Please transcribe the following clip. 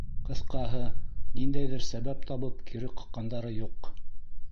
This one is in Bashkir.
Ҡыҫҡаһы, ниндәйҙер сәбәп табып, кире ҡаҡҡандары юҡ.